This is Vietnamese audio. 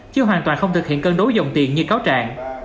chứ hoàn toàn không thực hiện cân đối dòng tiền như cáo trạng